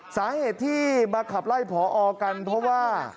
สาเหตุที่มาขับไล่พอกันเพราะว่า